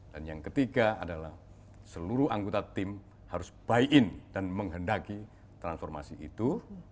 dan yang ketiga adalah seluruh anggota tim harus buy in dan menghendaki transformasi itu